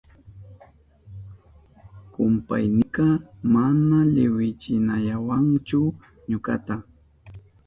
Kumpaynika mana liwichinayawanchu ñukata.